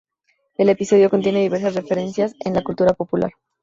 El episodio contiene diversas referencias de la cultura popular.